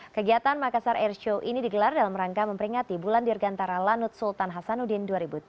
kegiatan makassar airshow ini digelar dalam rangka memperingati bulan dirgantara lanut sultan hasanuddin dua ribu tujuh belas